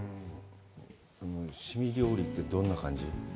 凍み料理ってどんな感じ？